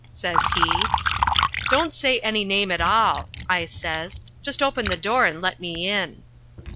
says he. "Don't say any name at all," I says. "Just open the door and let me in."